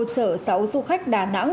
chở sáu du khách đà nẵng